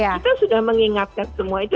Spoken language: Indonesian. kita sudah mengingatkan semua itu